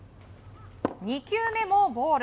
２球目もボール。